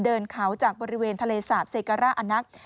เดินเขาจากบริเวณทะเลสาบเซการ่าอนัก